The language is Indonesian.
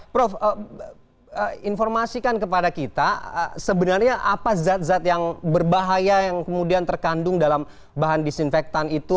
prof informasikan kepada kita sebenarnya apa zat zat yang berbahaya yang kemudian terkandung dalam bahan disinfektan itu